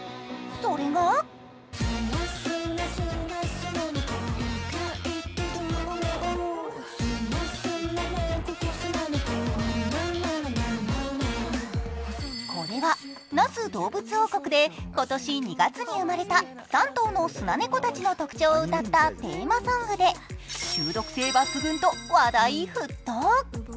それがこれは、那須どうぶつ王国で今年２月に生まれた３頭のスナネコたちの特徴を歌ったテーマソングで中毒性抜群と話題沸騰。